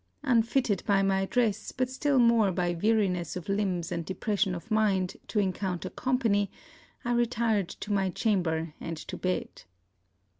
Unfitted by my dress, but still more by weariness of limbs and depression of mind, to encounter company, I retired to my chamber and to bed.